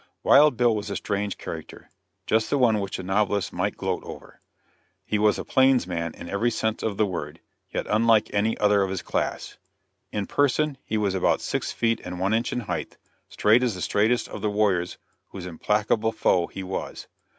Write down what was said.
'Wild Bill' was a strange character, just the one which a novelist might gloat over. He was a plains man in every sense of the word, yet unlike any other of his class. In person he was about six feet and one inch in height, straight as the straightest of the warriors whose implacable foe he was.